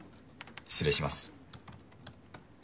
失礼します。